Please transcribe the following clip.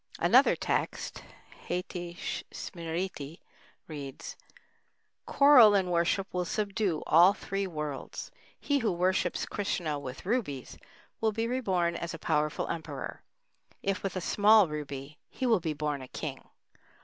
Another text (Hâiti Smriti) reads: Coral in worship will subdue all the three worlds. He who worships Krishna with rubies will be reborn as a powerful emperor; if with a small ruby, he will be born a king.